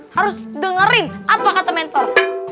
harus dengerin apa kata mentor